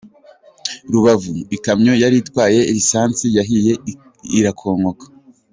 Rubavu : Ikamyo yari itwaye lisansi yahiye irakongoka.